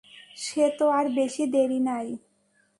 সে তো আর বেশি দেরি নাই।